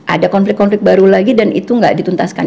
ada konflik konflik baru lagi dan itu nggak dituntaskan